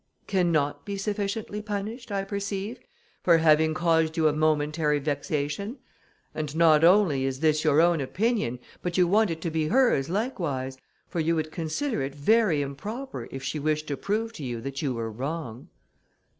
"Cannot be sufficiently punished, I perceive, for having caused you a momentary vexation; and not only is this your own opinion, but you want it to be hers likewise, for you would consider it very improper if she wished to prove to you that you were wrong."